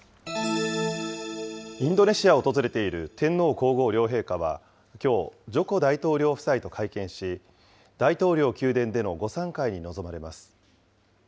インドネシアを訪れている天皇皇后両陛下は、きょう、ジョコ大統領夫妻と会見し、大統領宮殿での午さん会に臨まれます。